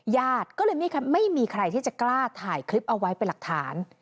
ญาติก็เลยไม่มีใครที่จะกล้าถ่ายคลิปเอาไว้เป็นหลักฐาน